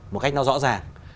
một cách nó rõ ràng